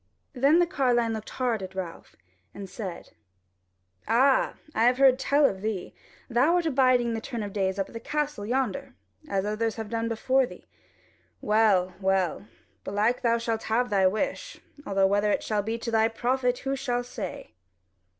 Then the carline looked hard at Ralph, and said: "Ah! I have heard tell of thee: thou art abiding the turn of the days up at the castle yonder, as others have done before thee. Well, well, belike thou shalt have thy wish, though whether it shall be to thy profit, who shall say?"